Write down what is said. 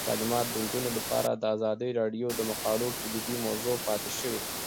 تعلیمات د نجونو لپاره د ازادي راډیو د مقالو کلیدي موضوع پاتې شوی.